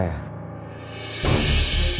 terima kasih ya pak